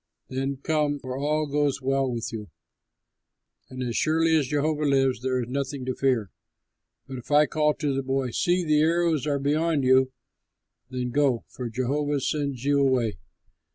then come; for all goes well with you, and as surely as Jehovah lives, there is nothing to fear. But if I call to the boy, 'See, the arrows are beyond you,' then go, for Jehovah sends you away.